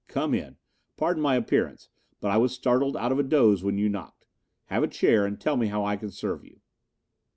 "Come in. Pardon my appearance, but I was startled out of a doze when you knocked. Have a chair and tell me how I can serve you."